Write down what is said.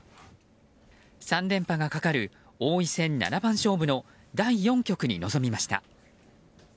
３連覇がかかる王位戦七番勝負の第４局に臨みました。